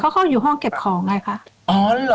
เขาอยู่ห้องเก็บของไงคะ